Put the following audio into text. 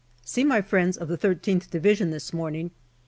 See my friends of the I3th Division this morning.